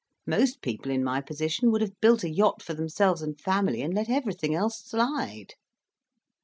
Most people in my position would have built a yacht for themselves and family, and let everything else slide."